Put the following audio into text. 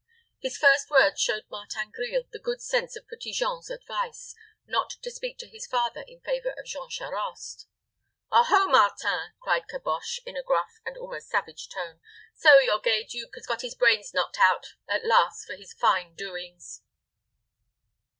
His first words showed Martin Grille the good sense of Petit Jean's advice, not to speak to his father in favor of Jean Charost. "Oh ho! Martin," cried Caboche, in a gruff and almost savage tone, "so your gay duke has got his brains knocked out at last for his fine doings."